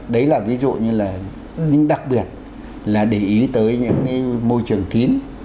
đấy là ví dụ như là những đặc biệt là để ý tới những cái môi trường kín